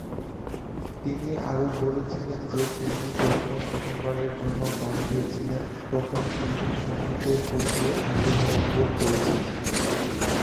তিনি আরও বলেছিলেন যে তিনি যখন প্রথমবারের জন্য গান গেয়েছিলেন তখন তিনি সঙ্গীতের প্রতি আগ্রহ অনুভব করেছিলেন।